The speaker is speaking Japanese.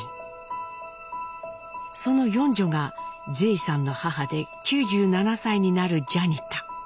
その四女がジェイさんの母で９７歳になるジャニタ。